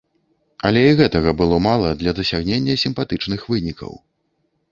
Але і гэтага было мала для дасягнення сімпатычных вынікаў.